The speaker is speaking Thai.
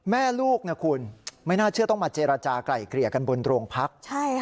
แม่ลูกนะคุณไม่น่าเชื่อต้องมาเจรจากลายเกลี่ยกันบนโรงพัก